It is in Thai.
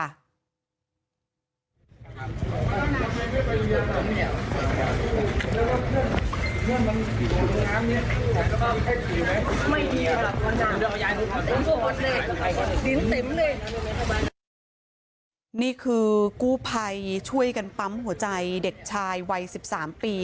นี่คือกู้ภัยช่วยกันปั๊มหัวใจเด็กชายวัย๑๓ปี